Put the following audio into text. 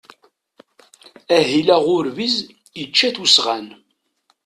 Ahil aɣurbiz yečča-t usɣan.